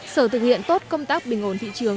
sở thực hiện tốt công tác bình ổn thị trường